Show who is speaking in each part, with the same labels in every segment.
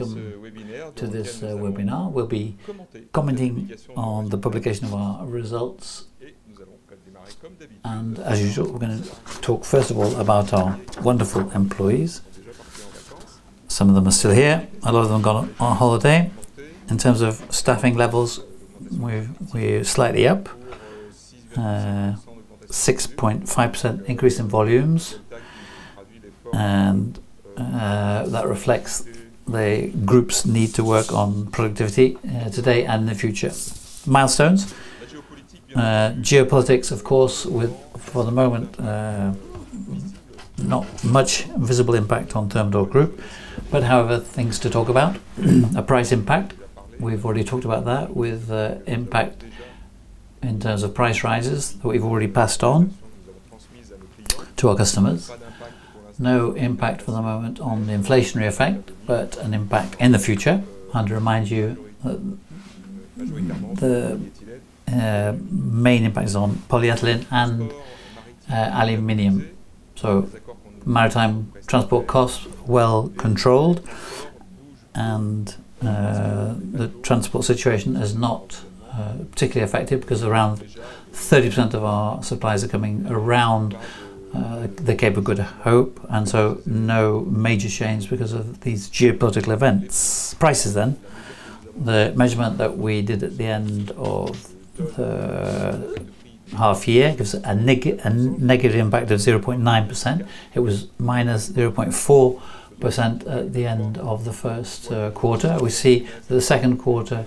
Speaker 1: Welcome to this webinar. We'll be commenting on the publication of our results. As usual, we're going to talk, first of all, about our wonderful employees. Some of them are still here. A lot of them have gone on holiday. In terms of staffing levels, we're slightly up. 6.5% increase in volumes, and that reflects the group's need to work on productivity today and in the future. Milestones. Geopolitics, of course, for the moment, not much visible impact on Thermador Groupe. However, things to talk about. A price impact. We've already talked about that with impact in terms of price rises that we've already passed on to our customers. No impact for the moment on the inflationary effect, but an impact in the future. To remind you, the main impact is on polyethylene and aluminum. Maritime transport costs, well controlled, and the transport situation has not particularly affected because around 30% of our supplies are coming around the Cape of Good Hope, and so no major change because of these geopolitical events. Prices. The measurement that we did at the end of half year gives a negative impact of 0.9%. It was minus 0.4% at the end of the first quarter. We see that the second quarter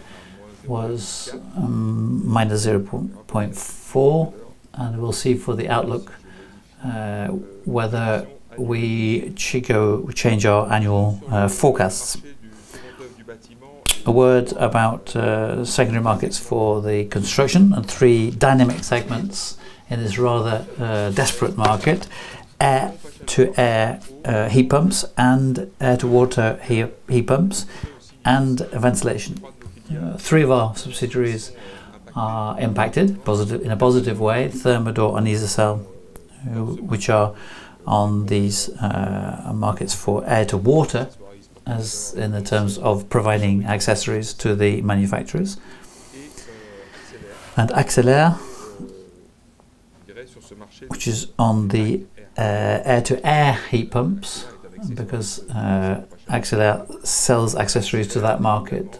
Speaker 1: was -0.4, and we'll see for the outlook whether we change our annual forecasts. A word about secondary markets for the construction and three dynamic segments in this rather desperate market. Air-to-air heat pumps and air-to-water heat pumps and ventilation. Three of our subsidiaries are impacted in a positive way. Thermador and Isocel, which are on these markets for air-to-water, as in the terms of providing accessories to the manufacturers. Axelair, which is on the air-to-air heat pumps because Axelair sells accessories to that market.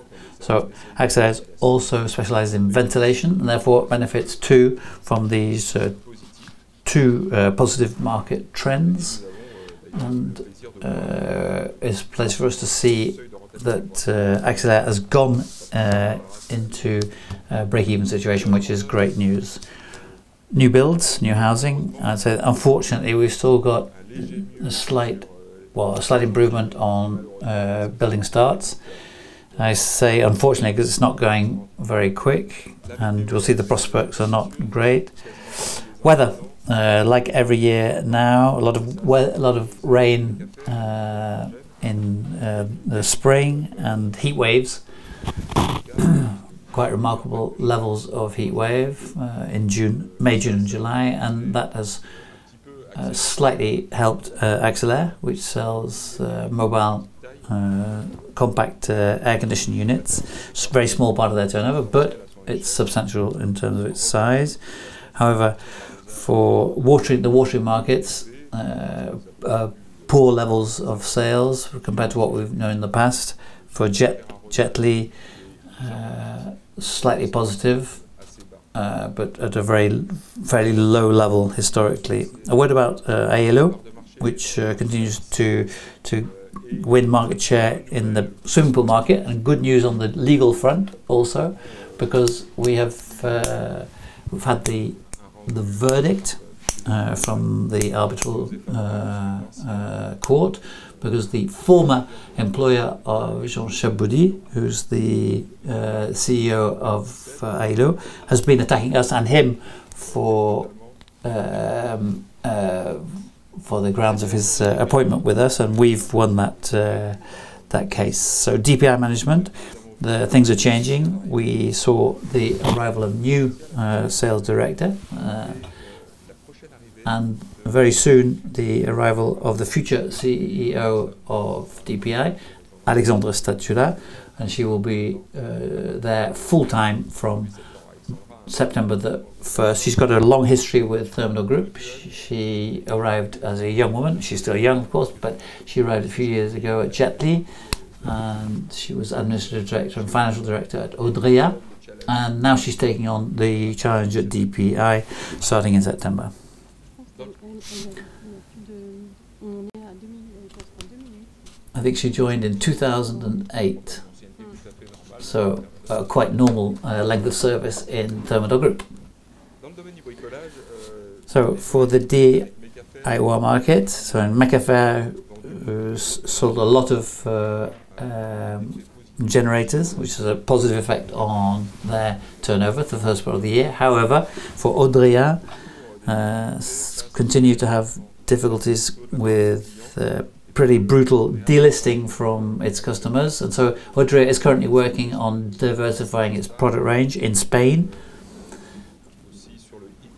Speaker 1: Axelair is also specialized in ventilation and therefore benefits too from these two positive market trends. It's a pleasure for us to see that Axelair has gone into a breakeven situation, which is great news. New builds, new housing. I'd say, unfortunately, we've still got a slight improvement on building starts. I say unfortunately because it's not going very quick, and we'll see the prospects are not great. Weather, like every year now, a lot of rain in the spring and heat waves. Quite remarkable levels of heat wave in May, June, and July, and that has slightly helped Axelair, which sells mobile compact air conditioning units. It's a very small part of their turnover, but it's substantial in terms of its size. However, for the watering markets, poor levels of sales compared to what we've known in the past. For Jetly, slightly positive but at a very low level historically. A word about Aello, which continues to win market share in the swimming pool market. Good news on the legal front also because we've had the verdict from the arbitral court because the former employer of Jérôme Chabaudie, who's the CEO of Aello, has been attacking us and him for the grounds of his appointment with us, and we've won that case. DPI Management, things are changing. We saw the arrival of new sales director. Very soon, the arrival of the future CEO of DPI, Alexandra Stajura, and she will be there full time from September 1st. She's got a long history with Thermador Groupe. She arrived as a young woman. She's still young, of course, but she arrived a few years ago at Jetly, and she was administrative director and financial director at Odrea. She's taking on the challenge at DPI starting in September. I think she joined in 2008, so a quite normal length of service in Thermador Groupe. For the DIY market, in Mecafer, sold a lot of generators, which is a positive effect on their turnover for the first part of the year. However, for Odrea, continue to have difficulties with pretty brutal delisting from its customers. Odrea is currently working on diversifying its product range in Spain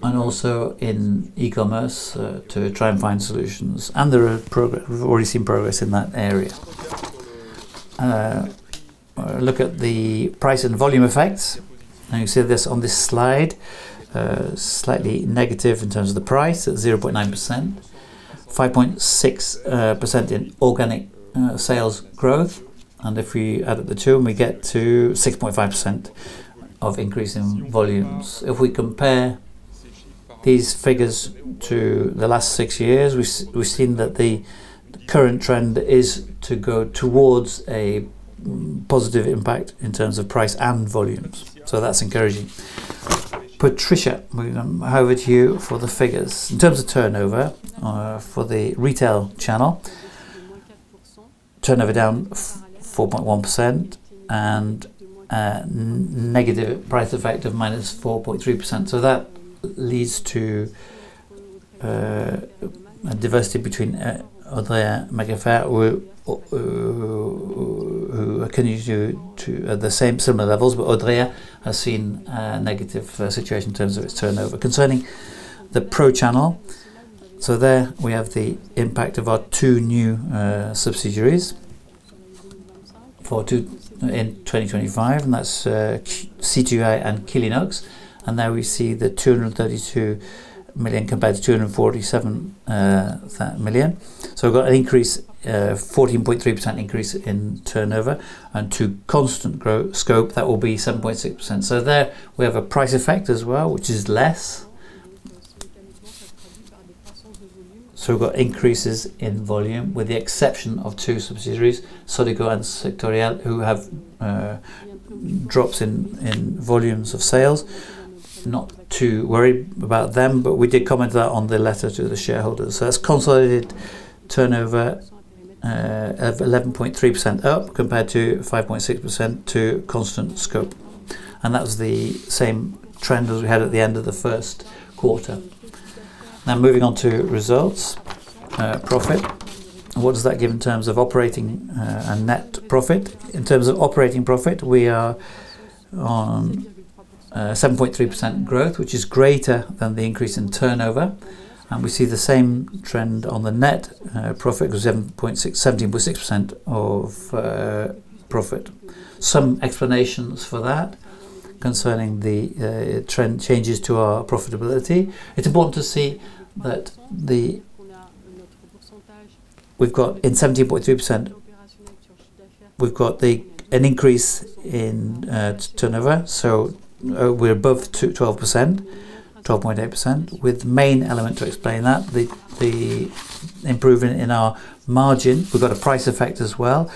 Speaker 1: and also in e-commerce to try and find solutions. We've already seen progress in that area. Look at the price and volume effects, you see this on this slide, slightly negative in terms of the price at 0.9%, 5.6% in organic sales growth. If we add up the two, we get to 6.5% of increase in volumes. If we compare these figures to the last six years, we've seen that the current trend is to go towards a positive impact in terms of price and volumes. That's encouraging. Patricia, I'm going to hand over to you for the figures.
Speaker 2: In terms of turnover for the retail channel, turnover down 4.1% and negative price effect of -4.3%. That leads to a diversity between Odrea and Mecafer who continue to the similar levels, but Odrea has seen a negative situation in terms of its turnover. Concerning the pro channel, there we have the impact of our two new subsidiaries in 2025, C2AI and Quilinox, there we see the 232 million compared to 247 million. We've got an increase, 14.3% increase in turnover, and to constant scope, that will be 7.6%. There we have a price effect as well, which is less. We've got increases in volume with the exception of two subsidiaries, Sodeco and Sectoriel, who have drops in volumes of sales. Not too worried about them, but we did comment that on the letter to the shareholders. That's consolidated turnover of 11.3% up compared to 5.6% to constant scope. That was the same trend as we had at the end of the first quarter. Now moving on to results, profit. What does that give in terms of operating and net profit? In terms of operating profit, we are on 7.3% growth, which is greater than the increase in turnover, and we see the same trend on the net profit, 17.6% of profit. Some explanations for that concerning the trend changes to our profitability. It's important to see that We've got in 17.3%, we've got an increase in turnover, so we're above 12%, 12.8%, with the main element to explain that, the improvement in our margin. We've got a price effect as well,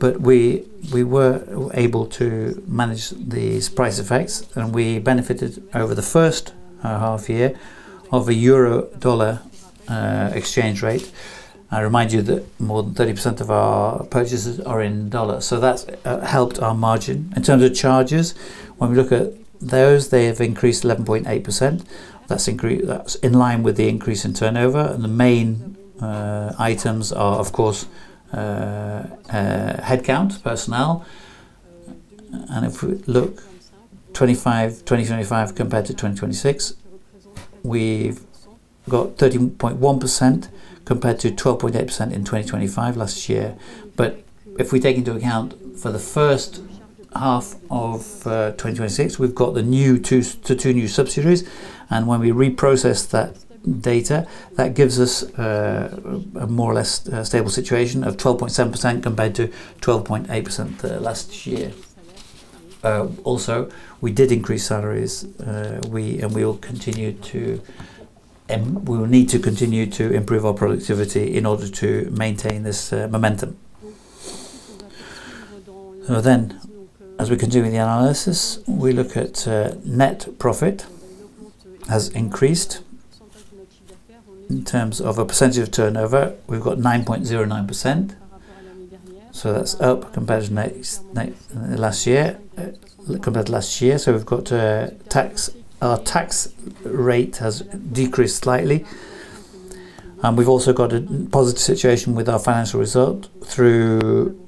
Speaker 2: we were able to manage these price effects, and we benefited over the first half year of a euro-dollar exchange rate. I remind you that more than 30% of our purchases are in dollars. That's helped our margin. In terms of charges, when we look at those, they have increased 11.8%. That is in line with the increase in turnover, the main items are, of course, headcount, personnel. If we look 2025 compared to 2026, we have 13.1% compared to 12.8% in 2025 last year. If we take into account for the first half of 2026, we have the two new subsidiaries. When we reprocess that data, that gives us a more or less stable situation of 12.7% compared to 12.8% last year. Also, we did increase salaries. We will need to continue to improve our productivity in order to maintain this momentum. As we continue with the analysis, we look at net profit has increased. In terms of a percentage of turnover, we have 9.09%. That is up compared to last year. We have our tax rate has decreased slightly, and we have also a positive situation with our financial result through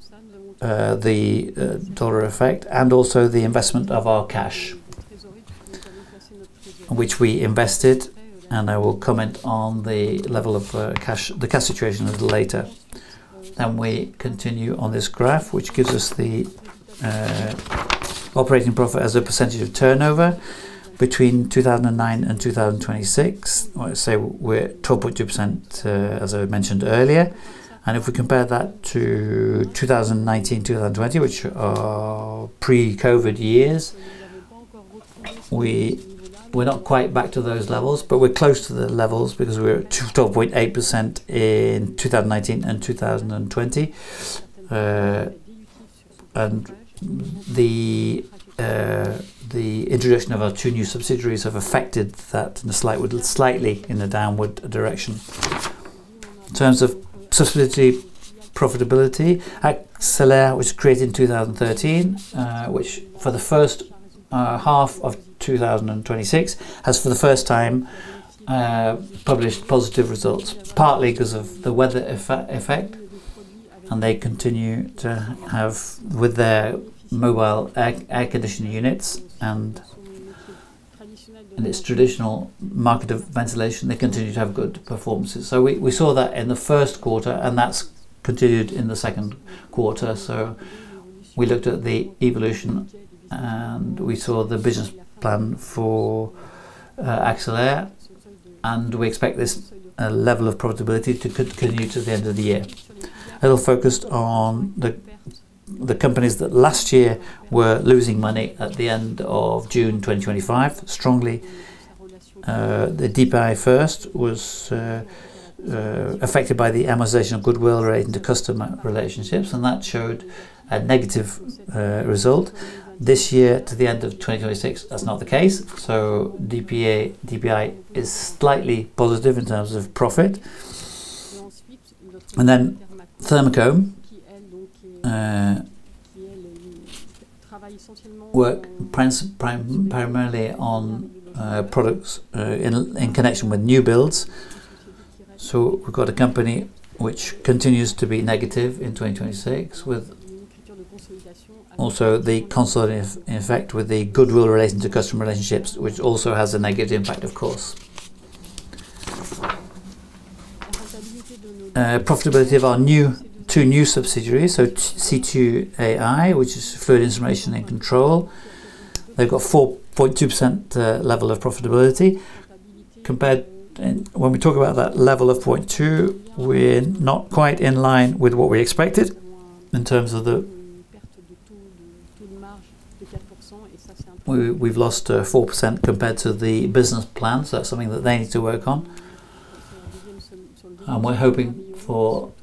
Speaker 2: the dollar effect and also the investment of our cash, which we invested. I will comment on the level of cash, the cash situation a little later. We continue on this graph, which gives us the operating profit as a percentage of turnover between 2009 and 2026. I say we are at 12.2%, as I mentioned earlier. If we compare that to 2019, 2020, which are pre-COVID years, we are not quite back to those levels, but we are close to the levels because we were at 12.8% in 2019 and 2020. The introduction of our two new subsidiaries have affected that slightly in a downward direction. In terms of subsidiary profitability, Axelair was created in 2013, which for the first half of 2026 has for the first time published positive results, partly because of the weather effect. They continue to have with their mobile compact air conditioning units and their traditional market of ventilation, they continue to have good performances. We saw that in the first quarter, and that has continued in the second quarter. We looked at the evolution, and we saw the business plan for Axelair, and we expect this level of profitability to continue to the end of the year. A little focused on the companies that last year were losing money at the end of June 2025. DPI first was affected by the amortization of goodwill relating to customer relationships, and that showed a negative result. This year to the end of 2026, that is not the case. DPI is slightly positive in terms of profit. Thermacome work primarily on products in connection with new builds. We have a company which continues to be negative in 2026, with also the consolidative effect with the goodwill relating to customer relationships, which also has a negative impact, of course. Profitability of our two new subsidiaries, C2AI, which is fluid information and control. They have 4.2% level of profitability. When we talk about that level of 0.2, we are not quite in line with what we expected. We have lost 4% compared to the business plan, so that is something that they need to work on. We are hoping for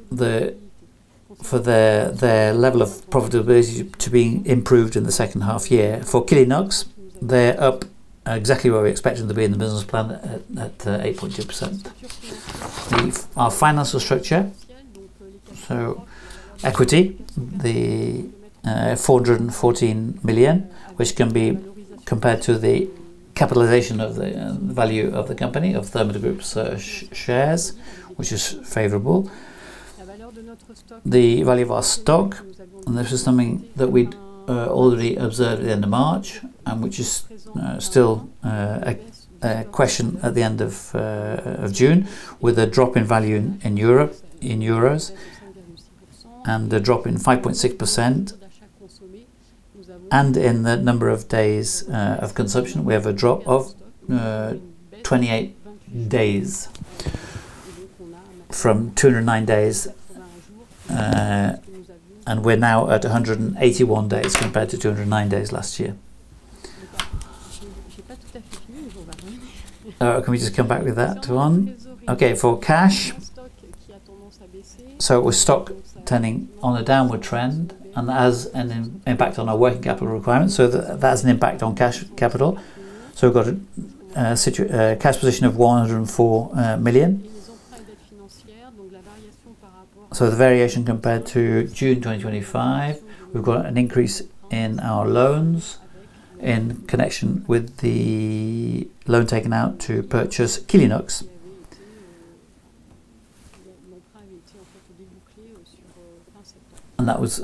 Speaker 2: their level of profitability to be improved in the second half year. For Quilinox, they are up exactly where we expected them to be in the business plan at 8.2%. Our financial structure. Equity, the 414 million, which can be compared to the capitalization of the value of the company of Thermador Groupe's shares, which is favorable. The value of our stock, this is something that we'd already observed at the end of March, and which is still a question at the end of June, with a drop in value in EUR and a drop in 5.6%. In the number of days of consumption, we have a drop of 28 days from 209 days, and we're now at 181 days compared to 209 days last year. Can we just come back with that one? Okay, for cash. With stock turning on a downward trend and that has an impact on our working capital requirements, that has an impact on cash capital. We've got a cash position of 104 million. The variation compared to June 2025, we've got an increase in our loans in connection with the loan taken out to purchase Quilinox. That was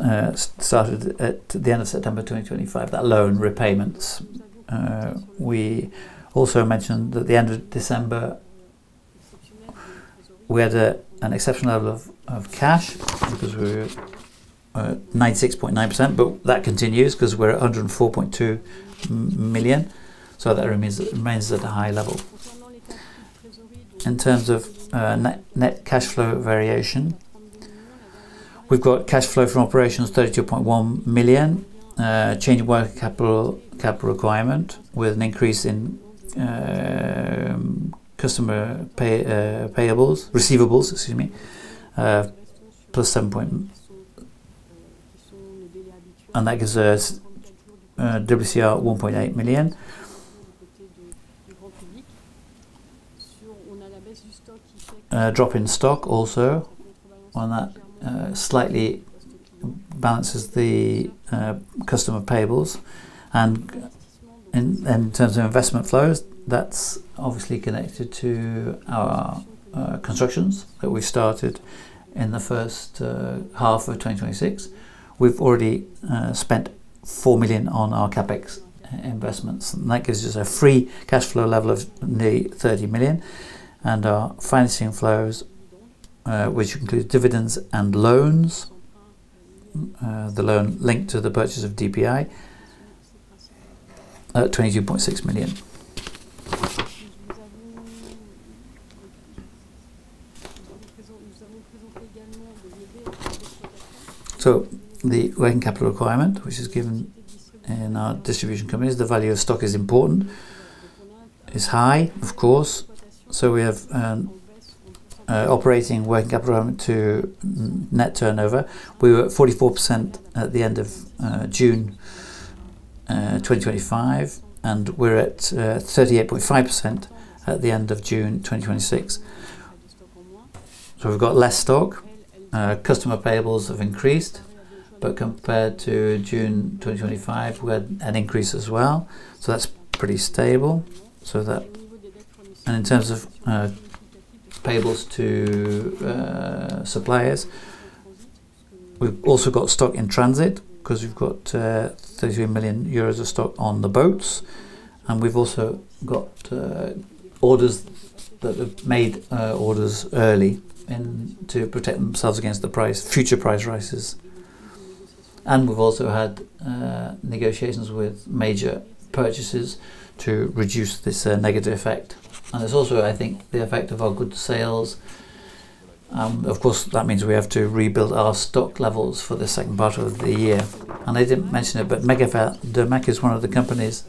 Speaker 2: started at the end of September 2025, that loan repayments. We also mentioned that at the end of December, we had an exceptional level of cash because we were at 96.9%, but that continues because we're at 104.2 million. That remains at a high level. In terms of net cash flow variation, we've got cash flow from operations 32.1 million, change in working capital requirement with an increase in customer payables, receivables, excuse me, that gives us WCR 1.8 million. A drop in stock also. One that slightly balances the customer payables. In terms of investment flows, that's obviously connected to our constructions that we started in the first half of 2026. We've already spent 4 million on our CapEx investments, and that gives us a free cash flow level of nearly 30 million. Our financing flows, which includes dividends and loans, the loan linked to the purchase of DPI at 22.6 million. The working capital requirement, which is given in our distribution companies, the value of stock is important, is high, of course. We have operating working capital to net turnover. We were at 44% at the end of June 2025, and we're at 38.5% at the end of June 2026. We've got less stock. Customer payables have increased. Compared to June 2025, we had an increase as well, that's pretty stable. In terms of payables to suppliers, we've also got stock in transit because we've got 33 million euros of stock on the boats, and we've also got orders that have made orders early to protect themselves against the future price rises. We've also had negotiations with major purchasers to reduce this negative effect. There's also, I think, the effect of our good sales. Of course, that means we have to rebuild our stock levels for the second part of the year. I didn't mention it, but Domac is one of the companies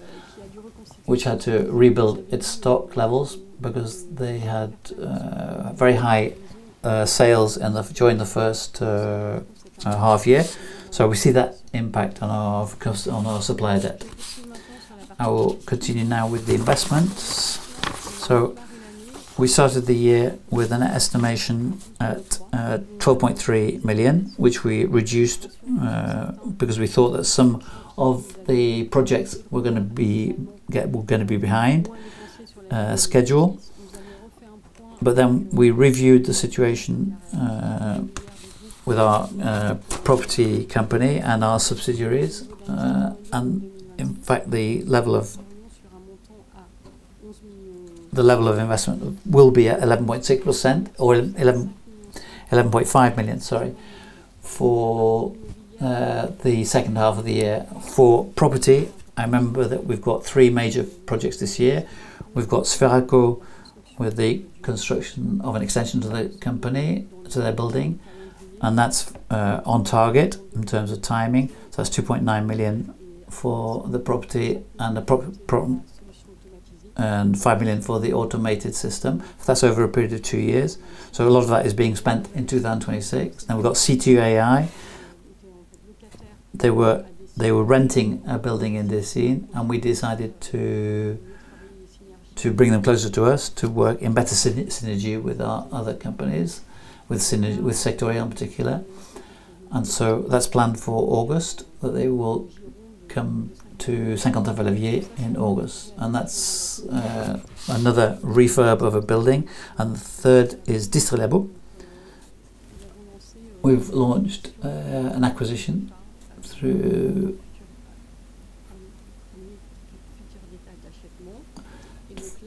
Speaker 2: which had to rebuild its stock levels because they had very high sales during the first half year. We see that impact on our supplier debt. I will continue now with the investments. We started the year with an estimation at 12.3 million, which we reduced because we thought that some of the projects were going to be behind schedule. We reviewed the situation with our property company and our subsidiaries. In fact, the level of investment will be at 11.6%, or 11.5 million, sorry, for the second half of the year. For property, I remember that we've got three major projects this year. We've got Sferaco with the construction of an extension to their building, and that's on target in terms of timing. That's 2.9 million for the property and 5 million for the automated system. That's over a period of two years, so a lot of that is being spent in 2026. We've got C2AI. They were renting a building in Décines, we decided to bring them closer to us to work in better synergy with our other companies, with C2AI in particular. That's planned for August, that they will come to Saint-Quentin-Fallavier in August. That's another refurb of a building. The third is Distrilabo. We've launched an acquisition through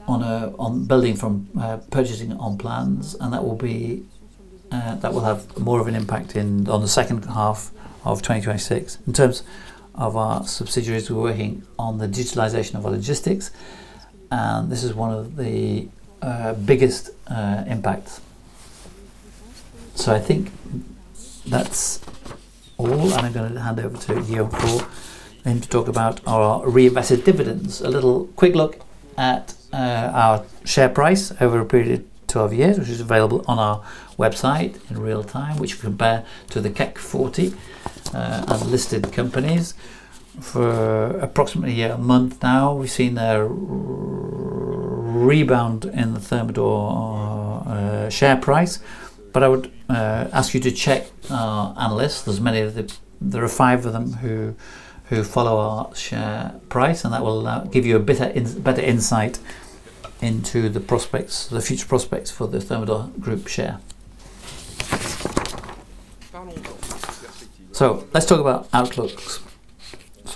Speaker 2: on building from purchasing on plans, and that will have more of an impact on the second half of 2026. In terms of our subsidiaries, we're working on the digitalization of our logistics. This is one of the biggest impacts. I think that's all. I'm going to hand over to Guillaume Robin to talk about our reinvested dividends.
Speaker 1: A little quick look at our share price over a period of 12 years, which is available on our website in real time, which compare to the CAC 40 unlisted companies. For approximately a month now, we've seen a rebound in the Thermador share price. I would ask you to check our analysts. There are five of them who follow our share price, and that will give you a better insight into the future prospects for the Thermador Groupe share. Let's talk about outlooks.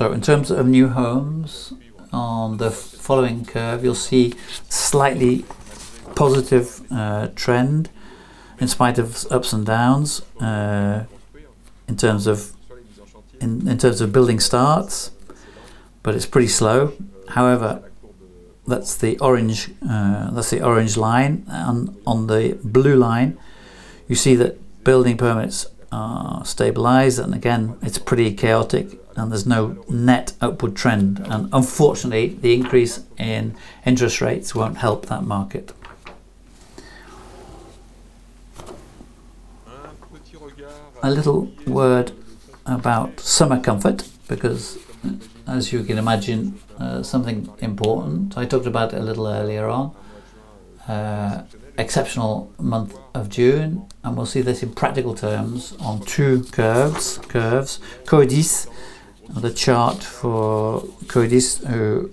Speaker 1: In terms of new homes, on the following curve, you'll see slightly positive trend in spite of ups and downs in terms of building starts, but it's pretty slow. However, that's the orange line. On the blue line, you see that building permits are stabilized. Again, it's pretty chaotic and there's no net upward trend. Unfortunately, the increase in interest rates won't help that market. A little word about summer comfort because as you can imagine, something important. I talked about it a little earlier on. Exceptional month of June, and we'll see this in practical terms on two curves. CODIS, the chart for CODIS who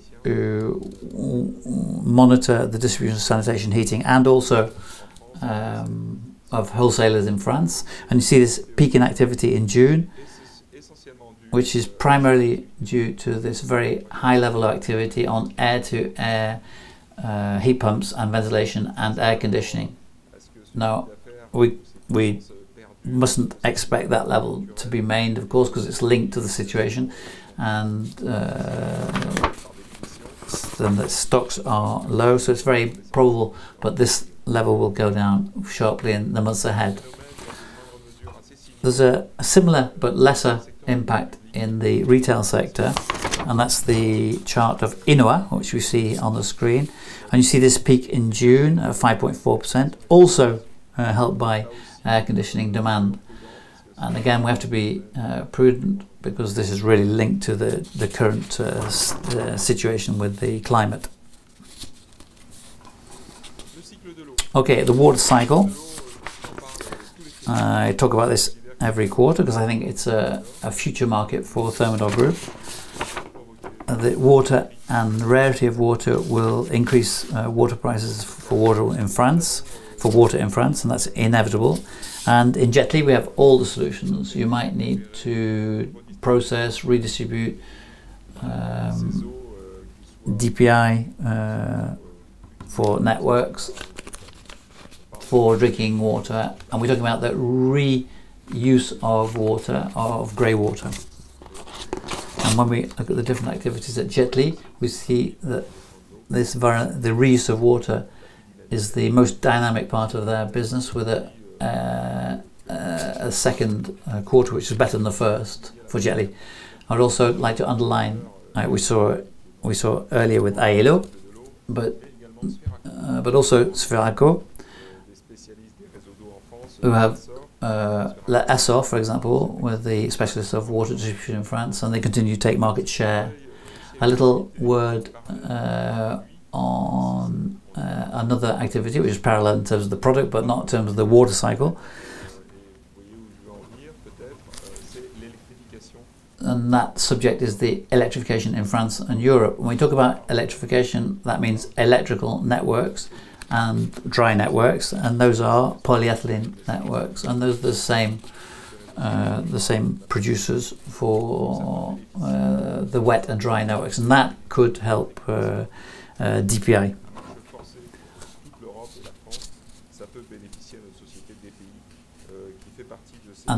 Speaker 1: monitor the distribution of sanitation heating, and also of wholesalers in France. You see this peak in activity in June, which is primarily due to this very high level of activity on air-to-air heat pumps and ventilation and air conditioning. We mustn't expect that level to be maintained, of course, because it's linked to the situation and the stocks are low. It's very probable, but this level will go down sharply in the months ahead. There's a similar but lesser impact in the retail sector, that's the chart of INOHA, which we see on the screen. You see this peak in June of 5.4%, also helped by air conditioning demand. Again, we have to be prudent because this is really linked to the current situation with the climate. Okay, the water cycle. I talk about this every quarter because I think it's a future market for Thermador Groupe. The water and the rarity of water will increase water prices for water in France, that's inevitable. In Jetly, we have all the solutions you might need to process, redistribute DPI for networks, for drinking water, we're talking about the reuse of graywater. When we look at the different activities at Jetly, we see that the reuse of water is the most dynamic part of their business, with a second quarter which was better than the first for Jetly. I would also like to underline, we saw earlier with Aello, but also Sferaco, who have L'Essor, for example, one of the specialists of water distribution in France, they continue to take market share. A little word on another activity, which is parallel in terms of the product, but not in terms of the water cycle. That subject is the electrification in France and Europe. When we talk about electrification, that means electrical networks and dry networks, those are polyethylene networks. Those are the same producers for the wet and dry networks. That could help DPI.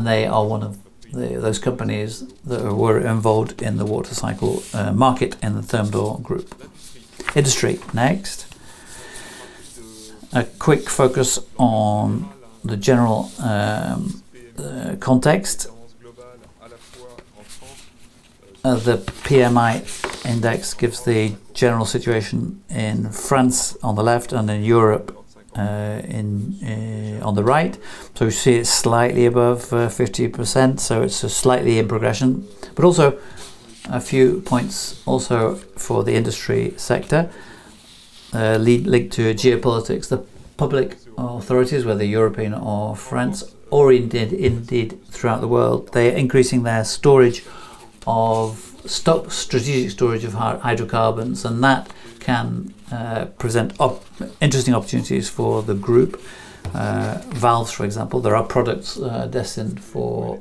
Speaker 1: They are one of those companies that were involved in the water cycle market in the Thermador Groupe. Industry, next. A quick focus on the general context. The PMI index gives the general situation in France on the left and in Europe on the right. We see it's slightly above 50%, it's slightly in progression. Also a few points also for the industry sector linked to geopolitics. The public authorities, whether European or France oriented, indeed throughout the world, they are increasing their strategic storage of hydrocarbons, that can present interesting opportunities for the Groupe. Valves, for example, there are products destined for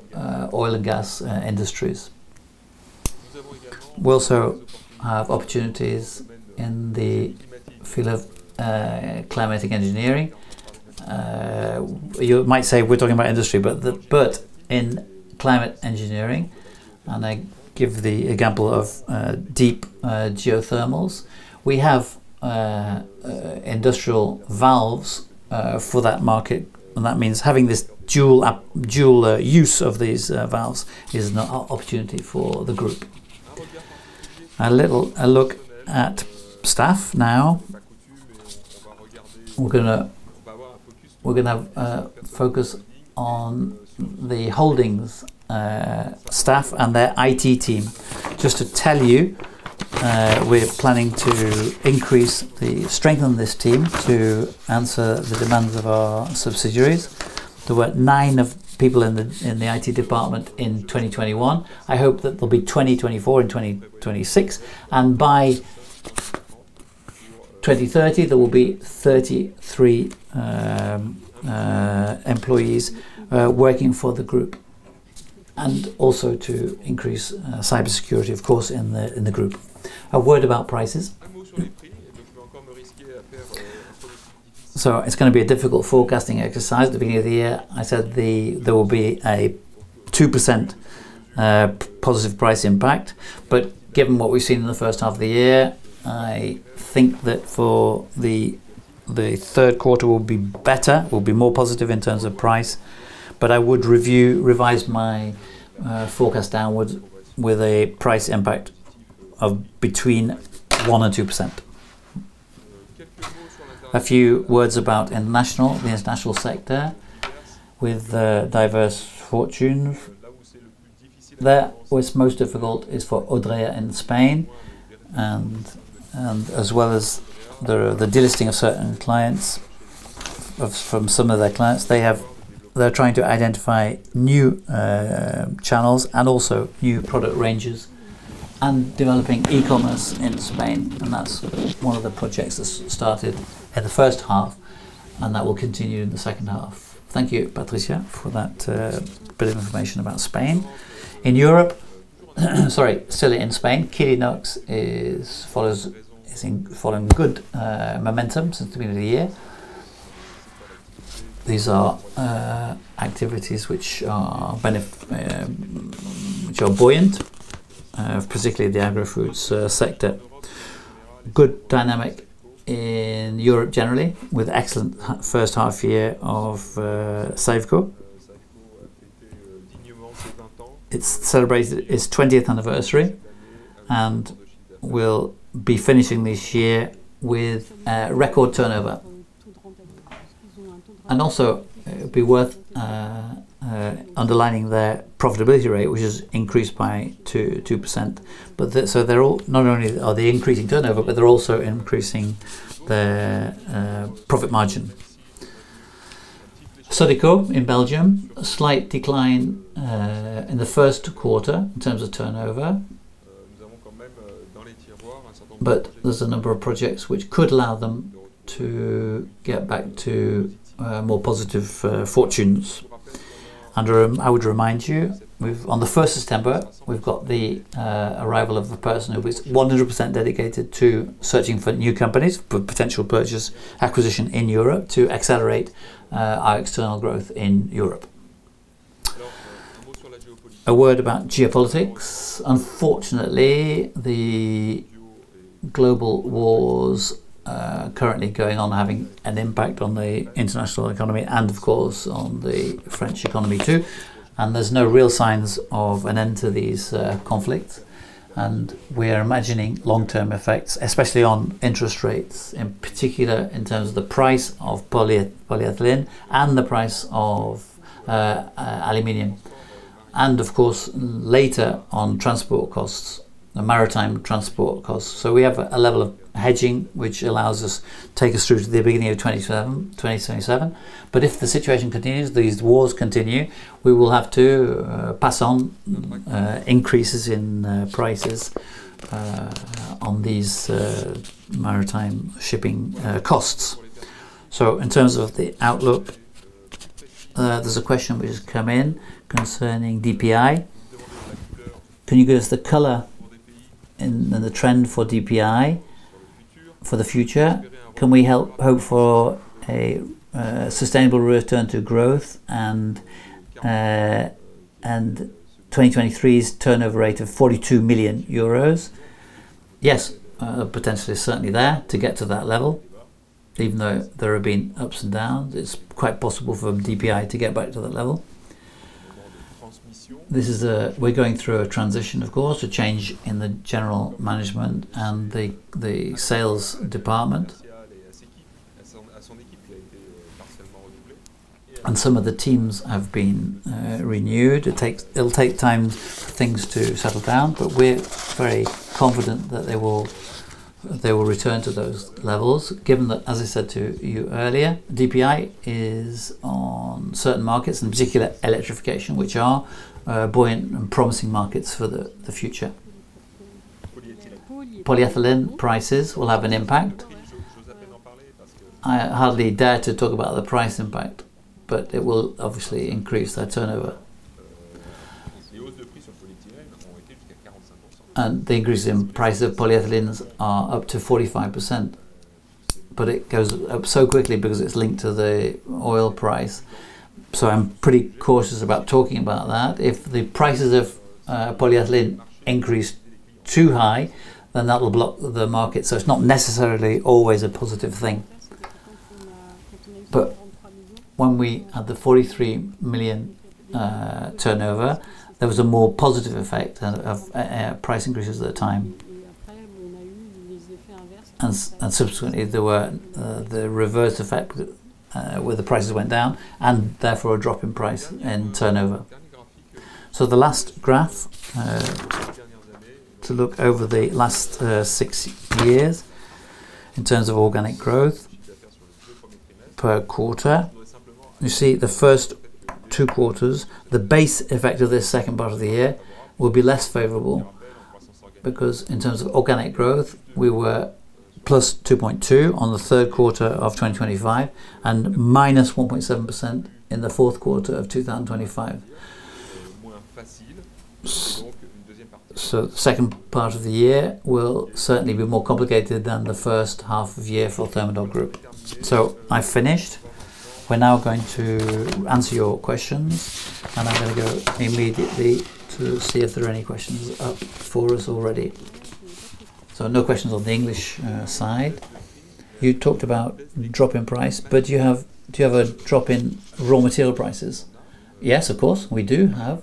Speaker 1: oil and gas industries. We also have opportunities in the field of climatic engineering. You might say we're talking about industry, but in climate engineering, I give the example of deep geothermal, we have industrial valves for that market, that means having this dual use of these valves is an opportunity for the Groupe. A look at staff now. We're going to focus on the Holdings staff and their IT team. Just to tell you, we are planning to increase the strength on this team to answer the demands of our subsidiaries. There were nine people in the IT department in 2021. I hope that there'll be 20 in 2024 and 2026, by 2030, there will be 33 employees working for the Groupe. Also to increase cybersecurity, of course, in the Groupe. A word about prices. It's going to be a difficult forecasting exercise. At the beginning of the year, I said there will be a 2% positive price impact. Given what we've seen in the first half of the year, I think that for the third quarter will be better, will be more positive in terms of price. I would revise my forecast downwards with a price impact of between 1% and 2%. A few words about the international sector with diverse fortunes. Where it's most difficult is for Odrea in Spain, as well as the delisting of certain clients, from some of their clients. They're trying to identify new channels and also new product ranges and developing e-commerce in Spain. That's one of the projects that started in the first half, and that will continue in the second half. Thank you, Patricia, for that bit of information about Spain. In Europe, sorry, still in Spain, Quilinox is following good momentum since the beginning of the year. These are activities which are buoyant, particularly the agrofoods sector. Good dynamic in Europe generally with excellent first half year of Sferaco. It celebrates its 20th anniversary and will be finishing this year with a record turnover. Also, it would be worth underlining their profitability rate, which has increased by 2%. Not only are they increasing turnover, but they're also increasing their profit margin. Sodeco in Belgium, a slight decline in the first quarter in terms of turnover, but there's a number of projects which could allow them to get back to more positive fortunes. I would remind you, on the 1st of September, we've got the arrival of the person who is 100% dedicated to searching for new companies for potential purchase acquisition in Europe to accelerate our external growth in Europe. A word about geopolitics. Unfortunately, the global wars currently going on are having an impact on the international economy and of course, on the French economy too, and there's no real signs of an end to these conflicts. We are imagining long-term effects, especially on interest rates, in particular in terms of the price of polyethylene and the price of aluminum. Of course, later on transport costs, the maritime transport costs. We have a level of hedging, which allows us take us through to the beginning of 2027. If the situation continues, these wars continue, we will have to pass on increases in prices on these maritime shipping costs. In terms of the outlook, there's a question which has come in concerning DPI. "Can you give us the color and the trend for DPI for the future? Can we hope for a sustainable return to growth and 2023's turnover rate of 42 million euros?" Yes, potentially certainly there to get to that level. Even though there have been ups and downs, it's quite possible for DPI to get back to that level. We're going through a transition, of course, a change in the general management and the sales department. Some of the teams have been renewed. It'll take time for things to settle down, but we're very confident that they will return to those levels given that, as I said to you earlier, DPI is on certain markets, in particular electrification, which are buoyant and promising markets for the future. polyethylene prices will have an impact. I hardly dare to talk about the price impact, but it will obviously increase their turnover. The increase in price of polyethylenes are up to 45%, but it goes up so quickly because it's linked to the oil price. I'm pretty cautious about talking about that. If the prices of polyethylene increase too high, then that'll block the market. It's not necessarily always a positive thing. When we had the 43 million turnover, there was a more positive effect of price increases at the time. Subsequently, there were the reverse effect where the prices went down, and therefore a drop in price and turnover. The last graph to look over the last six years in terms of organic growth per quarter. You see the first two quarters, the base effect of this second part of the year will be less favorable because in terms of organic growth, we were +2.2% on the third quarter of 2025 and -1.7% in the fourth quarter of 2025. The second part of the year will certainly be more complicated than the first half of the year for Thermador Groupe. I've finished. We're now going to answer your questions, and I'm going to go immediately to see if there are any questions up for us already. No questions on the English side. You talked about the drop in price, do you have a drop in raw material prices?" Yes, of course, we do have.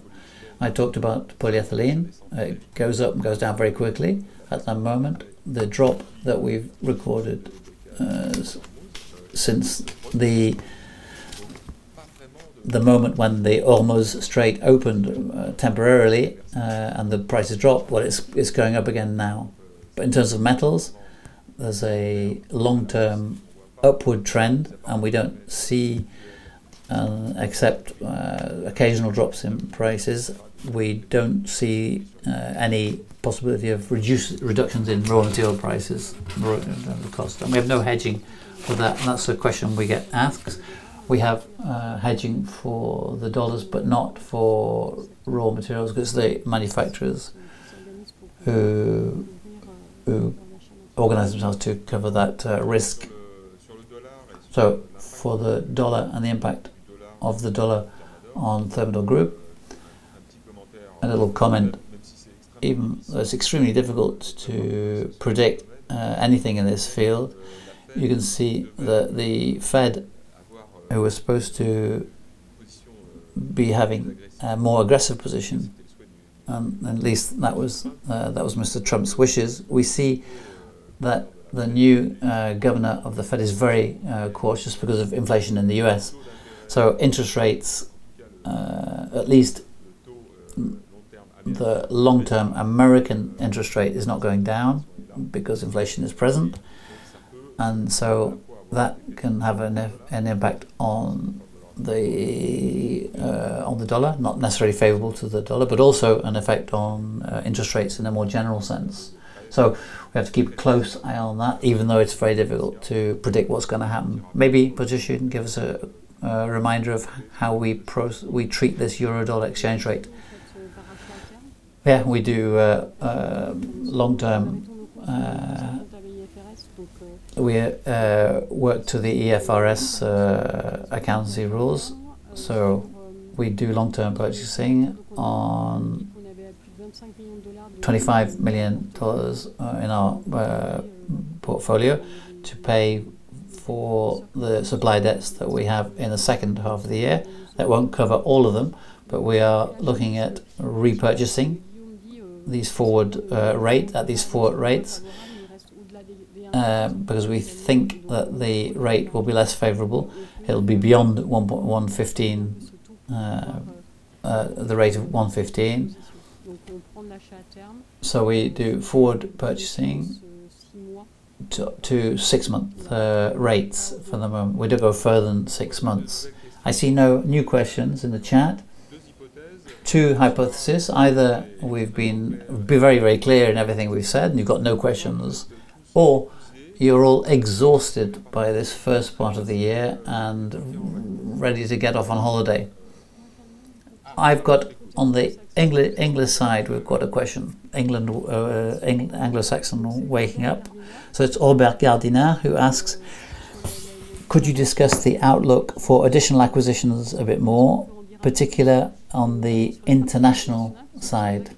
Speaker 1: I talked about polyethylene. It goes up and goes down very quickly at the moment. The drop that we've recorded since the moment when the Strait of Hormuz opened temporarily and the prices dropped, well, it's going up again now. In terms of metals, there's a long-term upward trend, except occasional drops in prices. We don't see any possibility of reductions in raw material prices. We have no hedging for that, and that's a question we get asked. We have hedging for the dollars but not for raw materials because the manufacturers who organize themselves to cover that risk. For the dollar and the impact of the dollar on Thermador Groupe, a little comment. It's extremely difficult to predict anything in this field. You can see that the Fed, who was supposed to be having a more aggressive position. At least that was Mr. Trump's wishes. We see that the new governor of the Fed is very cautious because of inflation in the U.S. Interest rates, at least the long-term American interest rate, is not going down because inflation is present. That can have an impact on the dollar, not necessarily favorable to the dollar, but also an effect on interest rates in a more general sense. We have to keep a close eye on that, even though it's very difficult to predict what's going to happen. Maybe Patricia can give us a reminder of how we treat this euro-dollar exchange rate. We do long-term. We work to the IFRS accountancy rules. We do long-term purchasing on EUR 25 million in our portfolio to pay for the supply debts that we have in the second half of the year. That won't cover all of them, but we are looking at repurchasing these forward rates because we think that the rate will be less favorable. It'll be beyond the rate of 115. We do forward purchasing to six-month rates for the moment. We don't go further than six months. I see no new questions in the chat. Two hypotheses, either we've been very clear in everything we've said and you've got no questions, or you're all exhausted by this first part of the year and ready to get off on holiday. I've got on the English side, we've got a question, Anglo-Saxon waking up. It's Albert Gardiner who asks, "Could you discuss the outlook for additional acquisitions a bit more, particular on the international side?"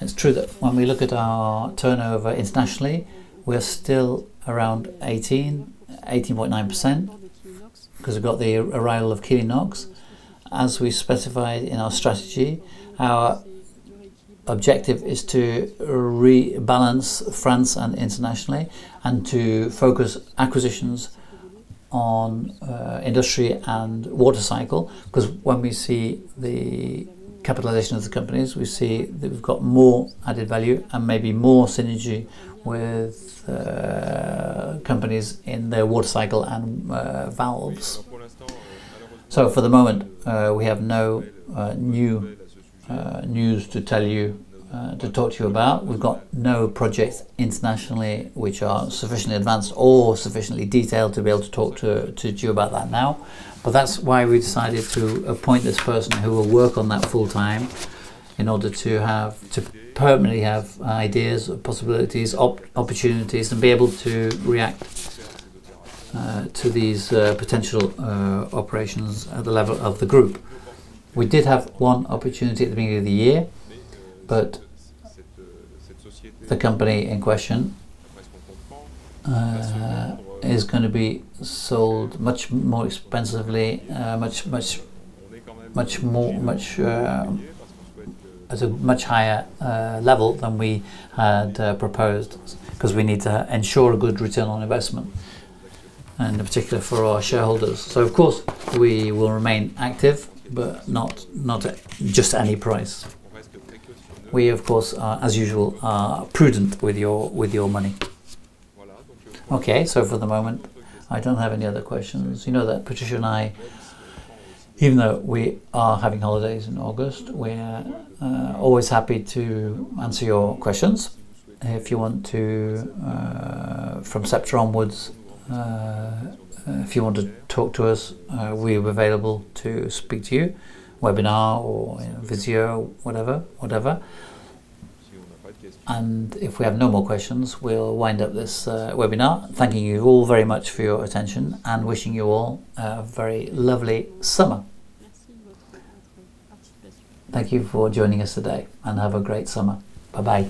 Speaker 1: It's true that when we look at our turnover internationally, we're still around 18.9% because we've got the arrival of Quilinox. As we specified in our strategy, our objective is to rebalance France and internationally, and to focus acquisitions on industry and water cycle because when we see the capitalization of the companies, we see that we've got more added value and maybe more synergy with companies in the water cycle and valves. For the moment, we have no new news to tell you, to talk to you about. We've got no projects internationally which are sufficiently advanced or sufficiently detailed to be able to talk to you about that now. That's why we decided to appoint this person who will work on that full-time in order to permanently have ideas of possibilities, opportunities, and be able to react to these potential operations at the level of the group. We did have one opportunity at the beginning of the year, but the company in question is going to be sold much more expensively at a much higher level than we had proposed because we need to ensure a good return on investment, and in particular for our shareholders. Of course, we will remain active, but not at just any price. We, of course, as usual, are prudent with your money. Okay. For the moment, I don't have any other questions. You know that Patricia and I, even though we are having holidays in August, we're always happy to answer your questions. If you want to, from September onwards, if you want to talk to us, we're available to speak to you, webinar or Visio, whatever. If we have no more questions, we'll wind up this webinar. Thanking you all very much for your attention and wishing you all a very lovely summer. Thank you for joining us today, and have a great summer. Bye-bye